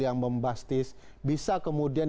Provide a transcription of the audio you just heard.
yang bombastis bisa kemudian